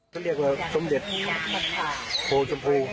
เขาเรียกว่าสมเด็จโพชมพู